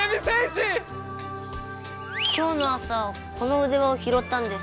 今日の朝このうでわをひろったんです。